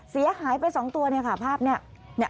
เสียหายไปสองตัวค่ะภาพนี้